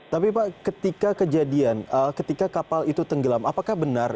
tapi pak ketika kejadian ketika kapal itu tenggelam apakah benar